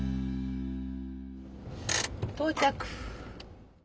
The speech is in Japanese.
到着！